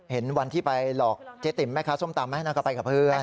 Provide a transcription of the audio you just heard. เห็นวันที่ไปหลอกเจ๊ติ๋มแม่ค้าส้มตำไหมนั่นก็ไปกับเพื่อน